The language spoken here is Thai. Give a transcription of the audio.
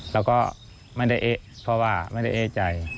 เราก็ไม่ได้เอเพราะว่าไม่ได้เอใจ